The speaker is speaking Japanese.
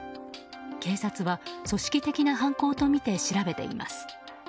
警察は組織的な犯行とみて調べています。